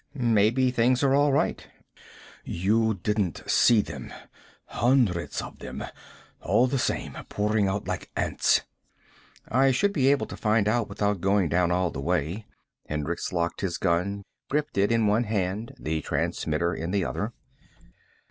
"Maybe things are all right." "You didn't see them. Hundreds of them. All the same. Pouring out like ants." "I should be able to find out without going down all the way." Hendricks locked his gun, gripping it in one hand, the transmitter in the other.